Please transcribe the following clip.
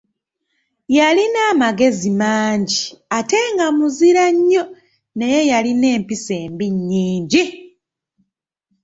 Yalina amagezi mangi, ate nga muzira nnyo, naye yalina empisa embi nnyingi.